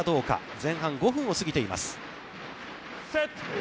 前半５分を過ぎています。